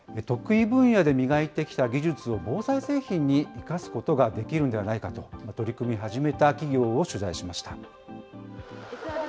得意分野で磨いてきた技術を防災製品に生かすことができるんではないかと、取り組み始めた企業を取材しました。